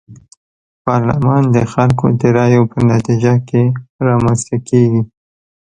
پارلمان د خلکو د رايو په نتيجه کي رامنځته کيږي.